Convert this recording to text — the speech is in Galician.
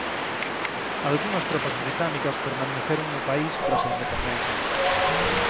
Algunhas tropas británicas permaneceron no país tras a independencia.